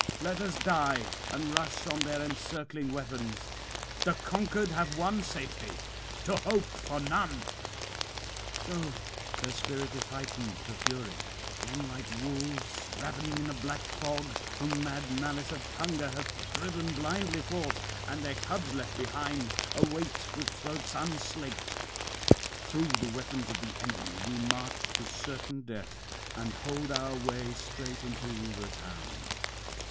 Let us die, and rush on their encircling weapons. The conquered have one safety, to hope for none." 'So their spirit is heightened to fury. Then, like wolves ravening in a black fog, whom mad malice of hunger hath driven blindly forth, and their cubs left behind await with throats unslaked; through the weapons of the enemy we march to certain death, and hold our way straight into the town.